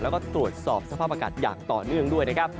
แล้วก็ตรวจสอบสภาพอากาศอย่างต่อเนื่องด้วยนะครับ